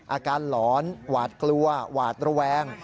หลอนหวาดกลัวหวาดระแวง